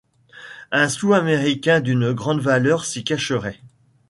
Un sou américain d’une grande valeur s’y cacherait.